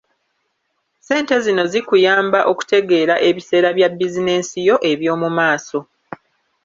Ssente zino zikuyamba okutegeera ebiseera bya bizinensi yo eby’omu maaso.